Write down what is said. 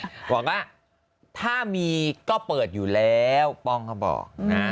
หวังว่าถ้ามีก็เปิดอยู่แล้วป้องเขาบอกนะ